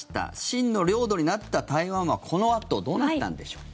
清の領土になった台湾はこのあとどうなったのでしょう。